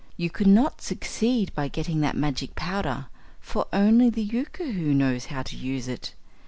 "You could not succeed by getting that magic powder, for only the Yookoohoo knows how to use it.